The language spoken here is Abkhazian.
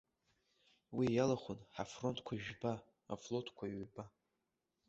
Уи иалахәын ҳафронтқәа жәба, афлотқәа ҩба.